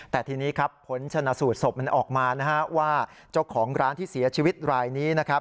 แต่ทีนี้ผลชนะสูตรศพออกมาว่าเจ้าของร้านที่เสียชีวิตรายนี้